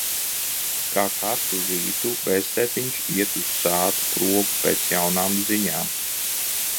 Kā katru rītu, vectētiņš iet uz Sātu krogu pēc jaunām ziņām.